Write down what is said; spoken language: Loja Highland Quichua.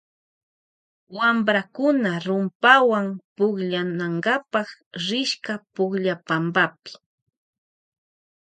Wamprakuna rumpawan pukllnakapa rishka pukllaypampapi.